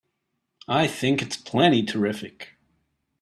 I think it's plenty terrific!